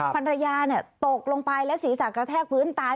ภรรยาตกลงไปและศีรษะกระแทกพื้นตาย